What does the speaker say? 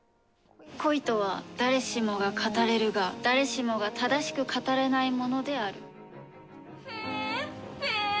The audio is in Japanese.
恋とは誰しもが語れるが誰しもが正しく語れないものである。